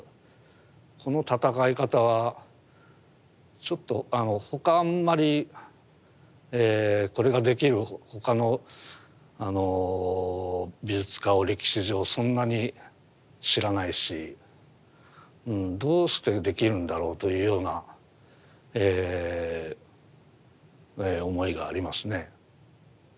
この戦い方はちょっと他あんまりこれができる他の美術家を歴史上そんなに知らないしどうしてできるんだろうというような思いがありますね。